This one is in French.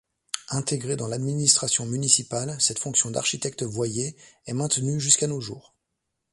Intégrée dans l’administration municipale, cette fonction d'architecte-voyer est maintenue jusqu'à nos jours.